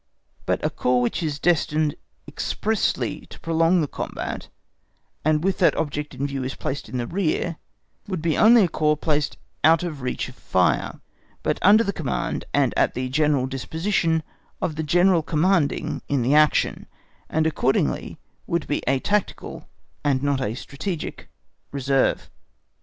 But a corps which is destined expressly to prolong the combat, and with that object in view is placed in rear, would be only a corps placed out of reach of fire, but under the command and at the disposition of the General Commanding in the action, and accordingly would be a tactical and not a strategic reserve.